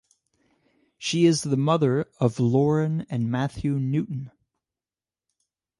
She is the mother of Lauren and Matthew Newton.